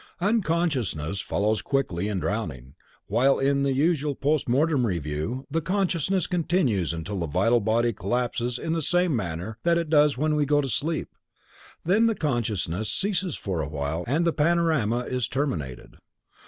Unconsciousness follows quickly in drowning, while in the usual post mortem review the consciousness continues until the vital body collapses in the same manner that it does when we go to sleep. Then consciousness ceases for a while and the panorama is terminated.